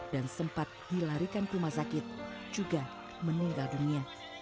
dan sempat dilarikan ke rumah sakit juga meninggal dunia